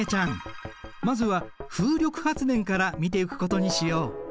まずは風力発電から見ていくことにしよう。